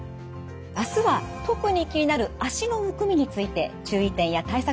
明日は特に気になる脚のむくみについて注意点や対策